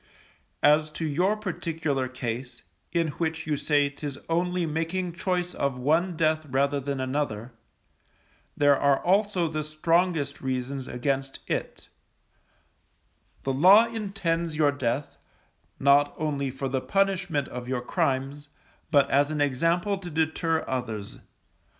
As to your particular case, in which you say 'tis only making choice of one death rather than another, there are also the strongest reasons against it, The Law intends your death, not only for the punishment of your crimes, but as an example to deter others.